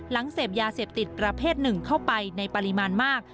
เสพยาเสพติดประเภทหนึ่งเข้าไปในปริมาณมาก